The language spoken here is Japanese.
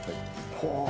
はあ。